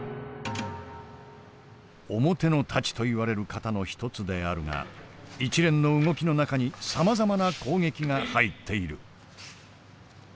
「表之太刀」といわれる型の一つであるが一連の動きの中にさまざまな攻撃が入っている。